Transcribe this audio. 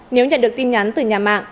nếu nhận được tin nhắn từ nhà mạng